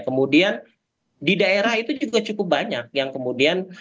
kemudian di daerah itu juga cukup banyak yang kemudian